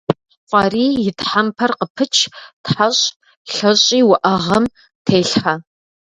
ФӀарий и тхьэмпэр къыпыч, тхьэщӀ, лъэщӀи уӀэгъэм телъхьэ.